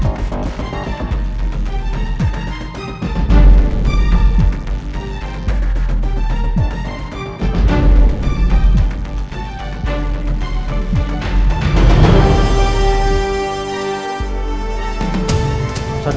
baik lady terina cari diri